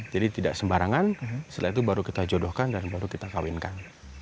jadi tidak sembarangan setelah itu baru kita jodohkan dan baru kita kawinkan